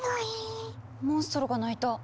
モンストロが鳴いた。